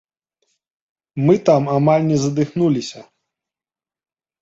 Мы там амаль не задыхнуліся.